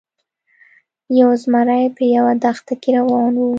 یو زمری په یوه دښته کې روان و.